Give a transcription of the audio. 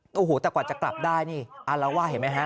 โอ้โหแต่กว่าจะกลับได้นี่อารวาสเห็นไหมฮะ